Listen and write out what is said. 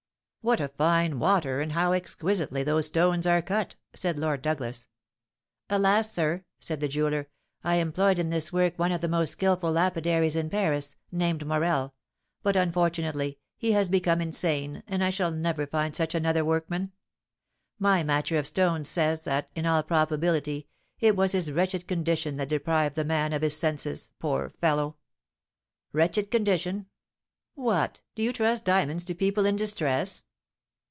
"What a fine water, and how exquisitely those stones are cut!" said Lord Douglas. "Alas, sir!" said the jeweller, "I employed in this work one of the most skilful lapidaries in Paris, named Morel; but, unfortunately, he has become insane, and I shall never find such another workman. My matcher of stones says that, in all probability, it was his wretched condition that deprived the man of his senses, poor fellow!" "Wretched condition! What! do you trust diamonds to people in distress?"